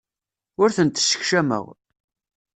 Ur tent-ssekcameɣ.